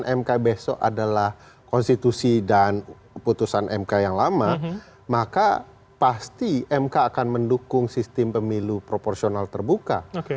putusan mk besok adalah konstitusi dan putusan mk yang lama maka pasti mk akan mendukung sistem pemilu proporsional terbuka